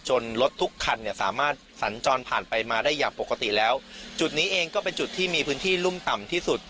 รถทุกคันเนี่ยสามารถสัญจรผ่านไปมาได้อย่างปกติแล้วจุดนี้เองก็เป็นจุดที่มีพื้นที่รุ่มต่ำที่สุด